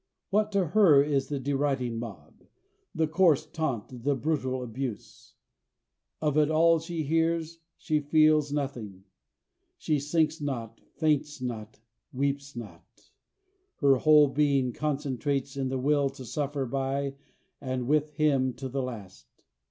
What to her is the deriding mob, the coarse taunt, the brutal abuse? Of it all she hears, she feels nothing. She sinks not, faints not, weeps not; her whole being concentrates in the will to suffer by and with him to the last.